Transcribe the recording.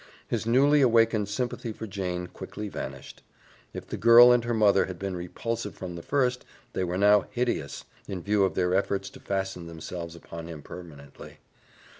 His newly awakened sympathy for Jane quickly vanished. If the girl and her mother had been repulsive from the first, they were now hideous, in view of their efforts to fasten themselves upon him permanently.